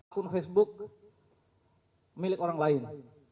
akun facebook milik orang lain